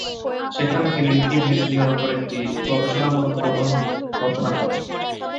সেখানে তিনি ইবনে সিনার উপর একটি গবেষণামূলক প্রবন্ধ রচনা করেন।